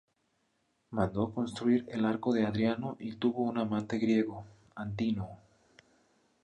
Mandó construir el Arco de Adriano y tuvo un amante griego, Antínoo.